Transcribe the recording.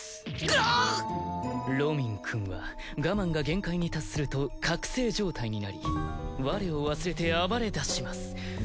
ロミンくんはガマンが限界に達すると覚醒状態になり我を忘れて暴れだします。